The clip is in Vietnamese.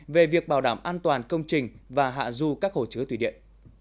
về việc bảo đảm an toàn công trình và hạ du các hồ chứa thủy điện